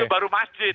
itu baru masjid gitu